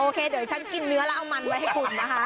เคเดี๋ยวฉันกินเนื้อแล้วเอามันไว้ให้คุณนะคะ